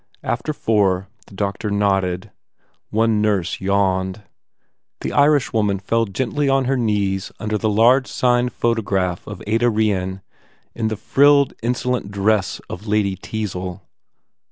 After four the doctor nodded. One nurse yawned. The Irishwoman fell gently on her knees under the large, signed photograph of Ada Rehan in the frilled, insolent dress of Lady Teazle.